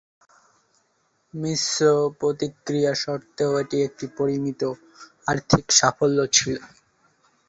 মিশ্র প্রতিক্রিয়া সত্ত্বেও, এটি একটি পরিমিত আর্থিক সাফল্য ছিল।